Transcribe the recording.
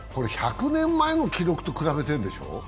１００年前の記録と比べてるでしょう